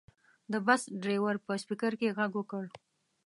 د بس ډریور په سپیکر کې غږ وکړ.